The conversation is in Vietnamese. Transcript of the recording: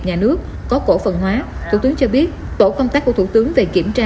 nhà nước có cổ phần hóa thủ tướng cho biết tổ công tác của thủ tướng về kiểm tra